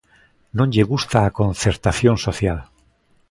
Non lle gusta a concertación social.